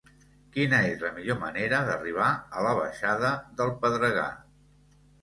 Quina és la millor manera d'arribar a la baixada del Pedregar?